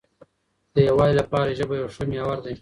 د یووالي لپاره ژبه یو ښه محور دی.